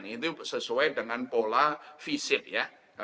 itu sesuai dengan pola visit ya